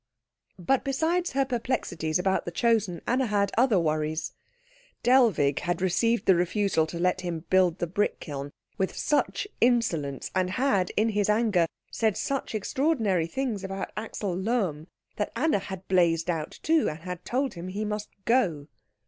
But besides her perplexities about the Chosen, Anna had other worries. Dellwig had received the refusal to let him build the brick kiln with such insolence, and had, in his anger, said such extraordinary things about Axel Lohm, that Anna had blazed out too, and had told him he must go.